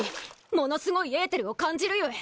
ものすごいえーてるを感じるゆえ！